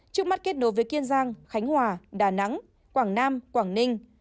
trước mắt kết nối với kiên giang khánh hòa đà nẵng quảng nam quảng ninh